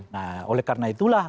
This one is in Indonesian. nah oleh karena itulah